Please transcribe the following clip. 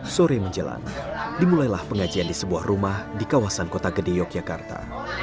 sore menjelang dimulailah pengajian di sebuah rumah di kawasan kota gede yogyakarta